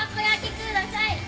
ください！